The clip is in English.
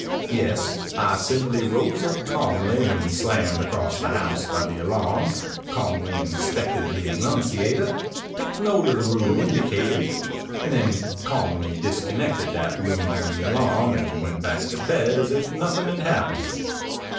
Yes, I simply rose up calmly, when slammed across the house by the alarm, calmly inspected the annunciator, took note of the room indicated; and then calmly disconnected that room from the alarm, and went back to bed as if nothing had happened.